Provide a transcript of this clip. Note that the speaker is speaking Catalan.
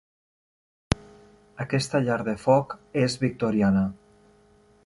Aquesta llar de foc és victoriana.